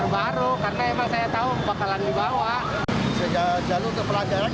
biasanya juga untuk aktivitas dekat dekat